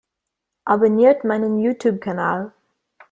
Abonniert meinen YouTube-Kanal!